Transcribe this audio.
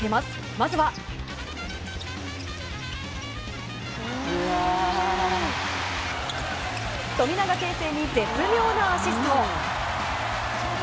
まずは、富永啓生に絶妙なアシスト。